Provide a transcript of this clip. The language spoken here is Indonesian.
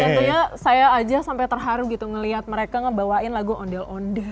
tentunya saya aja sampai terharu gitu ngeliat mereka ngebawain lagu ondel ondel